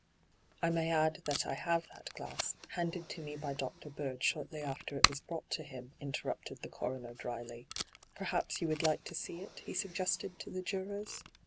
' I may add that I have that glass, handed to me by Dr. Bird shortly after it was brought to him,' interrupted the coroner dryly. ' Perhaps you would like to see it ?' he suggested to the jurors.